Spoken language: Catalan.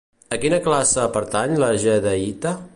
A quina classe pertany la jadeïta?